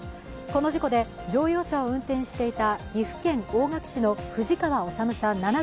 この事故で、乗用車を運転していた岐阜県大垣市の藤川治さん